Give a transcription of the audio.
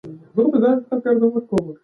دروازه ورو وتړئ.